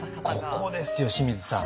ここですよ清水さん。